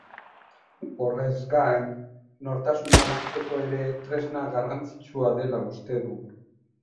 Horrez gain, nortasuna lantzeko ere tresna garrantzitsua dela uste du.